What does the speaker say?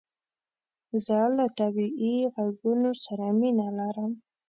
زه له طبیعي عږونو سره مینه لرم